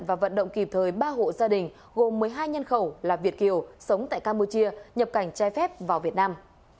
và vận động kịp thời ba hộ gia đình gồm một mươi hai nhân khẩu là việt kiều sống tại campuchia nhập cảnh trai phép vào việt nam